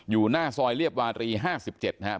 หน้าซอยเรียบวารี๕๗นะครับ